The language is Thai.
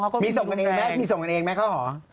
มีมีส่งกันเองฟะมีส่งกันเองแม่เอาหอ